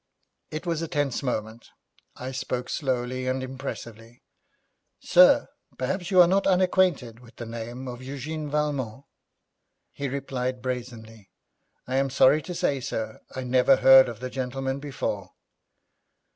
It was a tense moment. I spoke slowly and impressively. 'Sir, perhaps you are not unacquainted with the name of Eugène Valmont.' He replied brazenly, 'I am sorry to say, sir, I never heard of the gentleman before.'